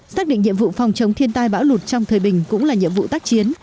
xác định nhiệm vụ phòng chống thiên tai bão lụt trong thời bình cũng là nhiệm vụ tác chiến